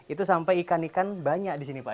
itu sampai ikan ikan banyak di sini pak